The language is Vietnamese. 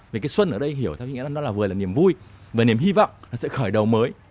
vì cái xuân ở đây hiểu theo nghĩa là nó vừa là niềm vui vừa là niềm hy vọng nó sẽ khởi đầu mới